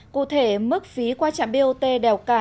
cụ thể mức phí qua trạm bot đèo cả